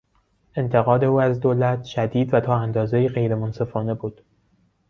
انتقاد او از دولت شدید و تا اندازهای غیر منصفانه بود.